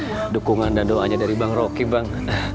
ya dukungan dan doanya dari bang rocky bang